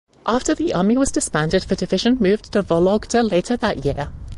After the army was disbanded the division moved to Vologda later that year.